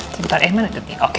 sebentar eh mana oke